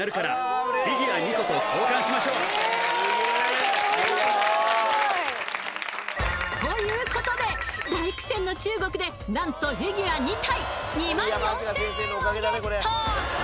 ちなみにということで大苦戦の中国で何とフィギュア２体２４０００円をゲット！